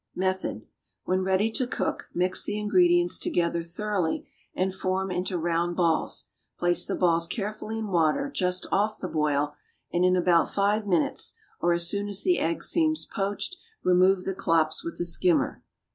Method. When ready to cook, mix the ingredients together thoroughly and form into round balls. Place the balls carefully in water just off the boil, and, in about five minutes, or as soon as the egg seems poached, remove the klopps with a skimmer.